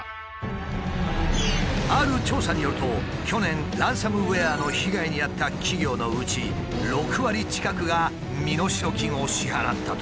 ある調査によると去年ランサムウエアの被害に遭った企業のうち６割近くが身代金を支払ったという。